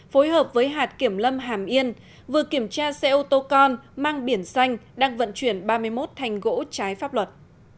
phối hợp với hạt kiểm lâm hàm yên vừa kiểm tra xe ô tô con mang biển xanh đang vận chuyển ba mươi một thành gỗ trái pháp luật